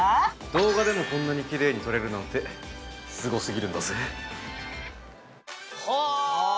動画でもこんなにきれいに撮れるなんてすごすぎるんだぜはあ！